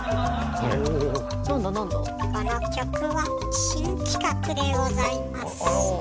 この曲は新企画でございます。